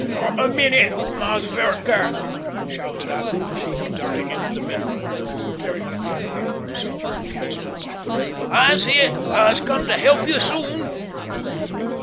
"'Top a minnit, Mass' V'reker!" shouted Accra Prout, darting into the middle of the throng, clearing a pathway for himself with the capstan bar. "I'se here; I'se come help you soon!"